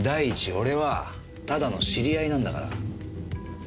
俺はただの知り合いなんだから。